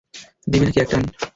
দিবি নাকি এক টান?